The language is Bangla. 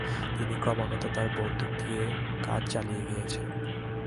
তিনি ক্রমাগত তার বন্দুক দিয়ে কাজ চালিয়ে গিয়েছেন।